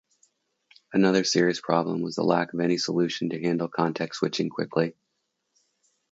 Another serious problem was the lack of any solution to handle context switching quickly.